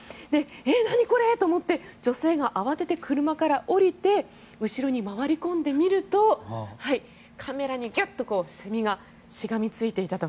何これ？と思って女性が慌てて車から降りて後ろに回り込んで見るとカメラにギュッとセミがしがみついていたと。